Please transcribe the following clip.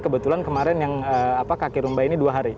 kebetulan kemarin kaki rumbai ini dua hari